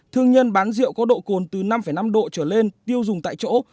thương nhân bán rượu có độ cồn từ năm năm độ trở lên tiêu dùng tại chỗ